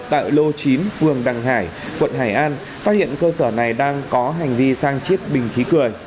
tại lô chín phường đằng hải quận hải an phát hiện cơ sở này đang có hành vi sang chiết bình khí cười